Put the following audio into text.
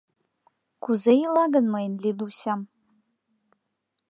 Кузе ила гын мыйын Лидусям?